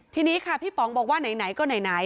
ทีนี้ค่ะพี่ป๋องบอกว่าไหนก็ไหน